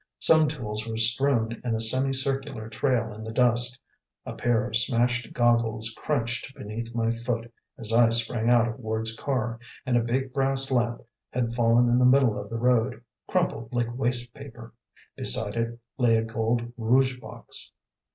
Some tools were strewn in a semi circular trail in the dust; a pair of smashed goggles crunched beneath my foot as I sprang out of Ward's car, and a big brass lamp had fallen in the middle of the road, crumpled like waste paper. Beside it lay a gold rouge box.